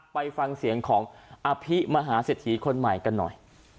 ไปฟังเสียงของอภิมหาเศรษฐีคนใหม่กันหน่อย